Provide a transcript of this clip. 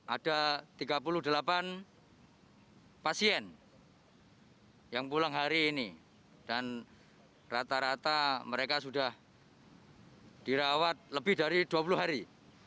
ada tiga puluh delapan pasien yang pulang hari ini dan rata rata mereka sudah dirawat lebih dari dua puluh hari